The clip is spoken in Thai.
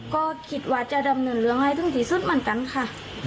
ก็คิดว่าจะดำเนินเรื่องให้ถึงที่สุดเหมือนกันค่ะ